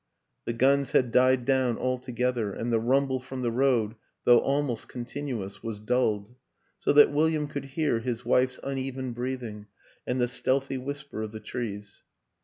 The guns had died down altogether, and the rumble from the road, though almost continuous, was dulled so that William could hear his wife's uneven breathing and the stealthy whisper of the trees.